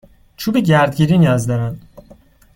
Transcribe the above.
چوب گردگیری نیاز دارم.